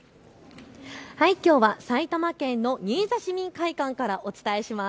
きょうは埼玉県の新座市民会館からお伝えします。